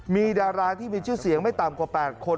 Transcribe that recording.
มีดาราที่มีชื่อเสียงไม่ต่ำกว่า๘คน